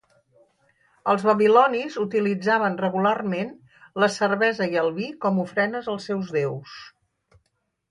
Els babilonis utilitzaven regularment la cervesa i el vi com ofrenes als seus déus.